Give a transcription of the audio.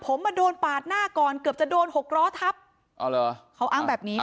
ผมมาโดนปาดหน้าก่อนเกือบจะโดนหกล้อทับอ๋อเหรอเขาอ้างแบบนี้